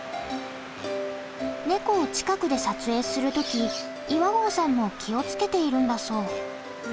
ネコを近くで撮影する時岩合さんも気を付けているんだそう。